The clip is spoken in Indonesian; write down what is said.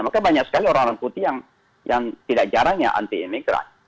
maka banyak sekali orang orang putih yang tidak jarangnya anti imigran